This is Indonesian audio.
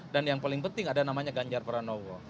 dan yang paling penting ada namanya ganjar pranowo